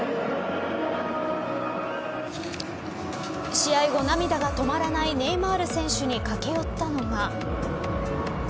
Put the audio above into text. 試合後、涙が止まらないネイマール選手に駆け寄ったのが。